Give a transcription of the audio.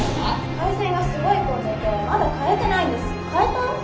回線がすごい混んでてまだ買えてないんです。